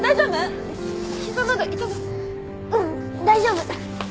大丈夫。